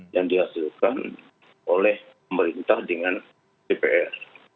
yang dihasilkan oleh pemerintah dengan dpr